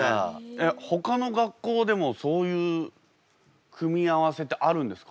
えっほかの学校でもそういう組み合わせってあるんですか？